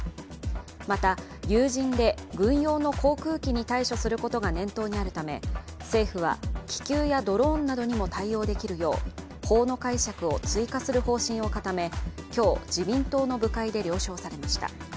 また、有人で軍用の航空機に対処することが念頭にあるため政府は、気球やドローンなどにも対応できるよう法の解釈を追加する方針を固め、今日、自民党の部会で了承されました。